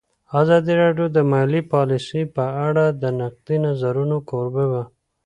ازادي راډیو د مالي پالیسي په اړه د نقدي نظرونو کوربه وه.